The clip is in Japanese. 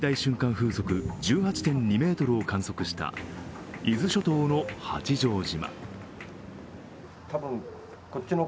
風速１８．２メートルを観測した伊豆諸島の八丈島。